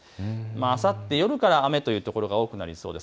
あさって夜から雨というところが多くなりそうです。